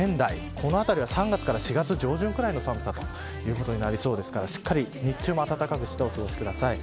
このあたりは３月から４月上旬ぐらいの寒さということになりそうですからしっかり日中も暖かくしてお過ごしください。